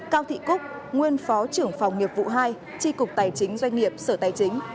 cao thị cúc nguyên phó trưởng phòng nghiệp vụ hai tri cục tài chính doanh nghiệp sở tài chính